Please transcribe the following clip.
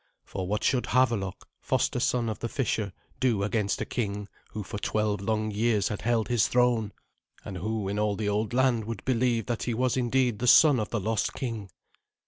For what should Havelok, foster son of the fisher, do against a king who for twelve long years had held his throne? And who in all the old land would believe that he was indeed the son of the lost king?